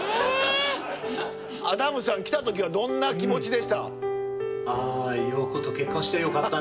アダムさん来た時はどんな気持ちでした？